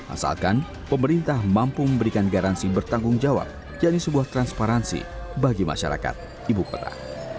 asalkan pemerintah mampu memberikan garansi bertanggung jawab yakni sebuah transparansi bagi masyarakat ibu kota